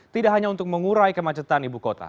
tidak hanya untuk mengurai kemacetan ibu kota